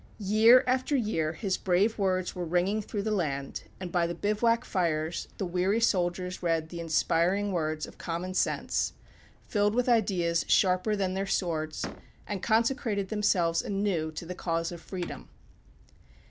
Year after year his brave words were ringing through the land, and by the bivouac fires the weary soldiers read the inspiring words of "Common Sense," filled with ideas sharper than their swords, and consecrated themselves anew to the cause of Freedom.